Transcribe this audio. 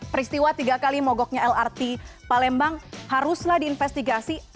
peristiwa tiga kali mogoknya lrt palembang haruslah diinvestigasi